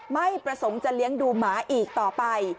ไม่ประสงค์จะเลี้ยงดูหมาอีกต่อไป